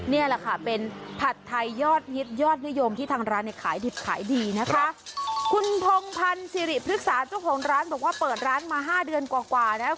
นี่แหละค่ะเป็นผัดไทยยอดฮิตยอดนิยมที่ทางร้านเนี่ยขายดิบขายดีนะคะคุณพงพันธ์สิริพฤกษาเจ้าของร้านบอกว่าเปิดร้านมาห้าเดือนกว่ากว่าแล้ว